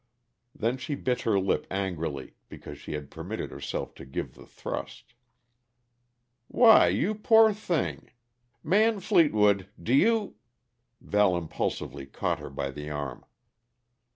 Then she bit her lip angrily because she had permitted herself to give the thrust. "Why, you poor thing! Man Fleetwood, do you " Val impulsively caught her by the arm.